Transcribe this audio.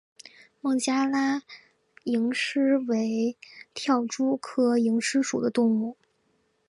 孟加拉蝇狮为跳蛛科蝇狮属的动物。